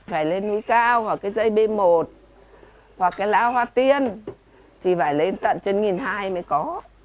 phải lên núi cao hoặc cái dây b một hoặc cái lá hoa tiên thì phải lên tận trên một hai trăm linh mới có